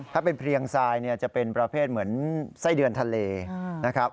ถ้าเป็นเพลียงทรายเนี่ยจะเป็นประเภทเหมือนไส้เดือนทะเลนะครับ